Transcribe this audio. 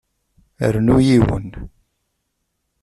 Rnu yiwen.